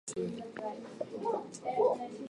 価格も、内容も、重過ぎないものを選んだ